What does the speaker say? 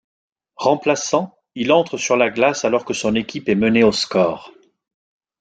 Remplaçant, il entre sur la glace alors que son équipe est menée au score.